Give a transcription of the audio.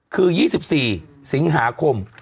คือ๒๔สิงหาคม